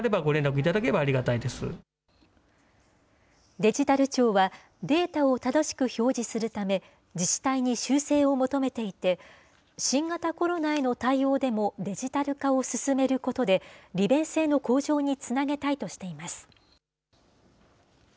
デジタル庁は、データを正しく表示するため、自治体に修正を求めていて、新型コロナへの対応でもデジタル化を進めることで、利便性の向上につなげたいとしています。